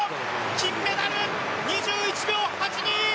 金メダル、２１秒８２！